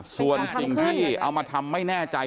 ส่วนสิ่งที่เอามาทำไม่แน่ใจ